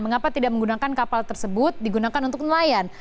mengapa tidak menggunakan kapal tersebut digunakan untuk nelayan